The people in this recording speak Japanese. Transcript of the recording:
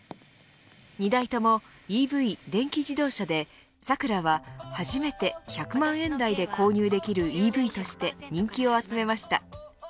２台ともＥＶ電気自動車でサクラは初めて１００万円台で購入できるＥＶとして人気を集めました。